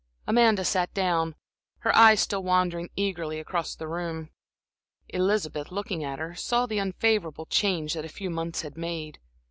Amanda sat down, her eyes still wandering eagerly around the room. Elizabeth, looking at her, saw the unfavorable change that a few months had made.